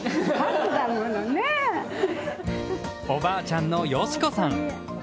おばあちゃんの好子さん。